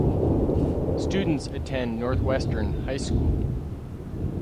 Students attend Northwestern High School.